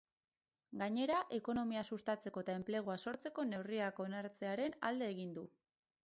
Gainera, ekonomia sustatzeko eta enplegua sortzeko neurriak onartzearen alede egin du.